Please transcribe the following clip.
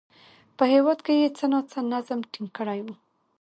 په هېواد کې یې څه ناڅه نظم ټینګ کړی و